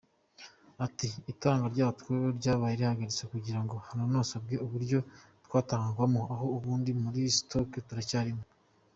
Ati :’’ Itangwa ryatwo ryabaye rihagaritswe kugirango hanonosorwe uburyo twatangwagamo, naho ubundi muri stock turacyarimo”.